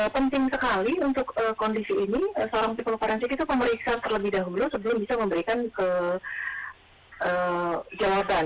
penting sekali untuk kondisi ini seorang psikolog forensik itu memeriksa terlebih dahulu sebelum bisa memberikan jawaban